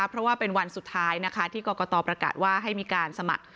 เพราะว่าเป็นวันสุดท้ายนะคะที่กรกตประกาศว่าให้มีการสมัคร